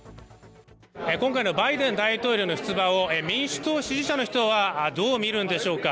今回のバイデン大統領の出馬を民主党支持者の人はどう見るんでしょうか。